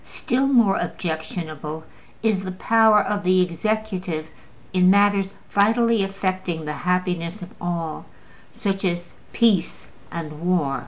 Still more objectionable is the power of the executive in matters vitally affecting the happiness of all, such as peace and war.